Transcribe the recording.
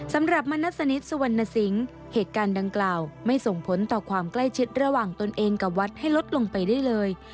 มณัฐสนิทสุวรรณสิงศ์เหตุการณ์ดังกล่าวไม่ส่งผลต่อความใกล้ชิดระหว่างตนเองกับวัดให้ลดลงไปได้เลย